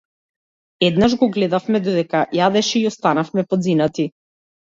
Еднаш го гледавме додека јадеше и останавме подзинати.